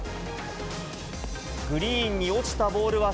グリーンに落ちたボールは、